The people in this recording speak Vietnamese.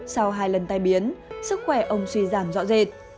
sau hai lần tai biến sức khỏe ông suy giảm rõ rệt